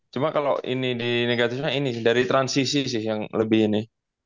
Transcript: cuma kalo ini di negatifnya ini dari transisi sih yang lebih ini